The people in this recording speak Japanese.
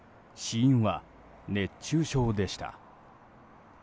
死因は熱中症でした。